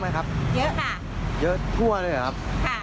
คาดว่าน่าจะเป็นอะไรครับ